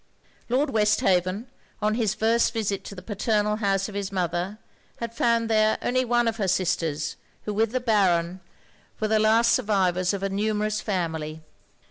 Lord Westhaven, on his first visit to the paternal house of his mother, had found there only one of her sisters, who, with the Baron, were the last survivors of a numerous family.